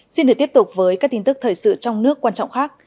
xin được tiếp tục với các tin tức thời sự trong nước quan trọng khác